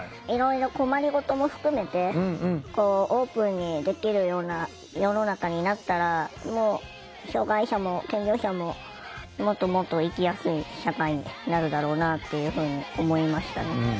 いろいろ困り事も含めてオープンにできるような世の中になったら障害者も健常者ももっともっと生きやすい社会になるだろうなっていうふうに思いましたね。